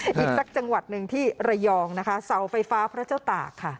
อีกสักจังหวัดหนึ่งที่ระยองนะคะเสาไฟฟ้าพระเจ้าตากค่ะ